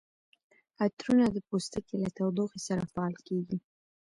عطرونه د پوستکي له تودوخې سره فعال کیږي.